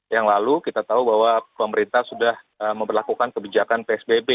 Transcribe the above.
yang lalu kita tahu bahwa pemerintah sudah memperlakukan kebijakan psbb